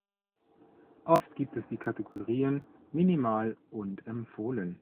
Oft gibt es die Kategorien "Minimal" und "Empfohlen".